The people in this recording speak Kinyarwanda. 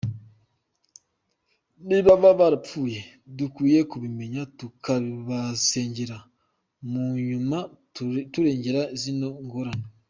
Ni baba barapfuye, dukwiye kubimenya tukabasengera, munyuma turengere zino ngorane.